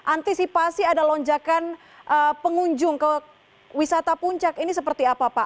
antisipasi ada lonjakan pengunjung ke wisata puncak ini seperti apa pak